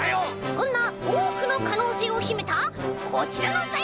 そんなおおくのかのうせいをひめたこちらのざいりょうにせまります！